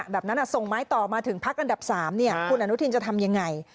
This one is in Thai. แบบนั้นส่งไม้ต่อมาถึงพักอันดับ๓คุณอนุทินจะทำยังไง